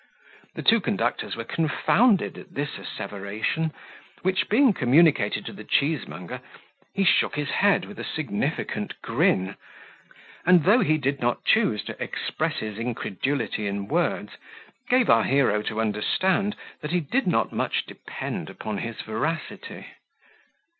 The two conductors were confounded at this asseveration, which, being communicated to the cheesemonger, he shook his head with a significant grin; and, though he did not choose to express his incredulity in words, gave our hero to understand, that he did not much depend upon his veracity.